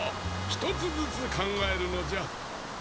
ひとつずつかんがえるのじゃ。